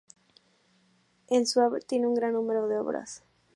En su haber tiene un gran número de obras.